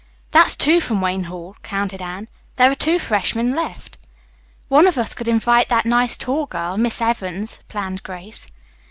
"That's two from Wayne Hall," counted Anne. "There are two freshmen left." "One of us could invite that nice tall girl, Miss Evans," planned Grace.